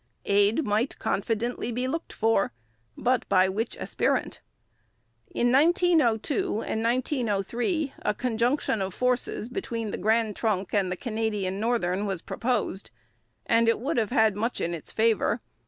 Aid might confidently be looked for but by which aspirant? In 1902 and 1903 a junction of forces between the Grand Trunk and the Canadian Northern was proposed, and would have had much in its favour.